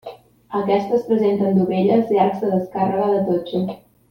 Aquestes presenten dovelles i arcs de descàrrega de totxo.